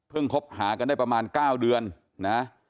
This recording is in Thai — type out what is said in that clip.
คบหากันได้ประมาณ๙เดือนนะ